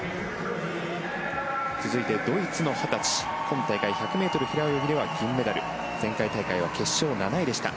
続いてドイツの２０歳今大会１００ｍ平泳ぎでは銀メダル前回大会は決勝７位でした。